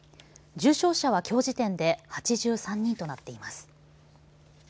重症者は、きょう時点で８３人となっています。